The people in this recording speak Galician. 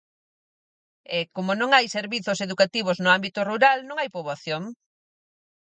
E, como non hai servizos educativos no ámbito rural, non hai poboación.